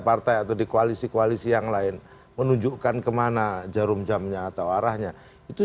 partai atau di koalisi koalisi yang lain menunjukkan kemana jarum jamnya atau arahnya itu